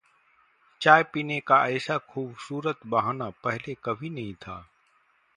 चाय पीने का ऐसा खूबसूरत बहाना पहले कभी नहीं था